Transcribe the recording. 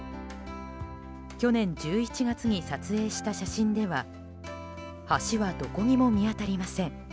去年１１月に撮影した写真では橋は、どこにも見当たりません。